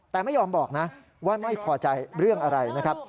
แต่ไม่ยอมบอกนะว่าไม่พอใจเรื่องอะไรนะครับ